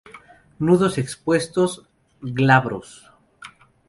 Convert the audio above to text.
Nudos expuestos; glabros.